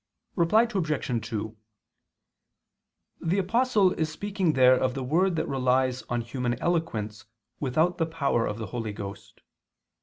Reply Obj. 2: The Apostle is speaking there of the word that relies on human eloquence without the power of the Holy Ghost.